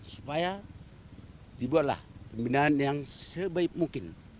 supaya dibuatlah pembinaan yang sebaik mungkin